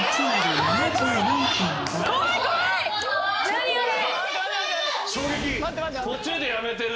・何あれ。